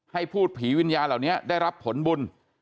ให้พูดผีวิญญาณเหล่านี้ได้รับผลบุญ